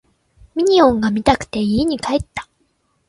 ミニオンが見たくて家に帰った